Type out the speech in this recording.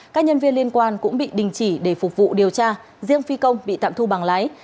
các nhân viên liên quan cũng bị đình chỉ để phục vụ điều tra riêng phi công bị tạm thu bằng lái